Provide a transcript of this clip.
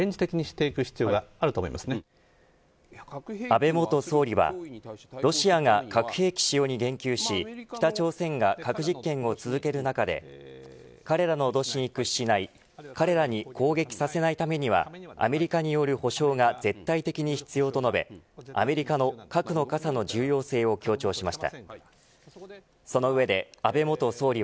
安倍元総理はロシアが核兵器使用に言及し北朝鮮が核実験を続ける中で彼らの脅しに屈しない彼らに攻撃させないためにはアメリカによる保障が絶対的に必要と述べ土曜日のお天気をお伝えします。